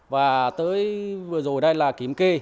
và tới vừa rồi đây là kiếm kê